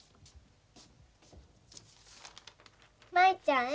「舞ちゃんへ。